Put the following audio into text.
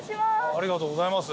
ありがとうございます。